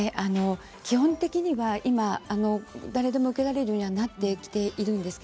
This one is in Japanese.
基本的には今、誰でも受けられるようになってきています。